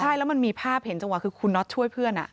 ใช่แล้วมันมีภาพเห็นจังหวะคือคุณน็อตช่วยเพื่อน